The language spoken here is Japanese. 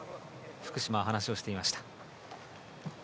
福島は話をしていました。